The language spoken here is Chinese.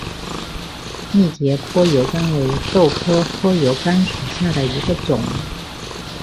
密节坡油甘为豆科坡油甘属下的一个种。